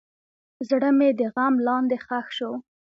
زړه مې د غم لاندې ښخ شو.